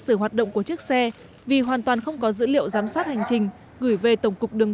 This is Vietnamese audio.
sử hoạt động của chiếc xe vì hoàn toàn không có dữ liệu giám sát hành trình gửi về tổng cục đường